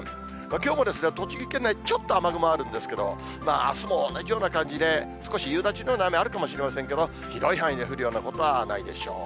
きょうも栃木県内、ちょっと雨雲あるんですけど、あすも同じような感じで、少し夕立のような雨あるかもしれませんけど、広い範囲で降るようなことはないでしょう。